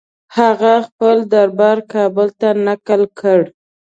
هغه خپل دربار کابل ته نقل کړ.